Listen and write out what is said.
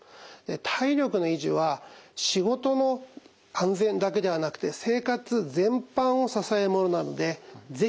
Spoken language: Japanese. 体力の維持は仕事の安全だけではなくて生活全般を支えるものなので是非意識していただきたいと思います。